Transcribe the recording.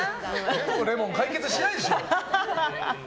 全部レモンで完結しないでしょ。